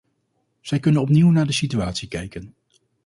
Zij kunnen opnieuw naar de situatie kijken.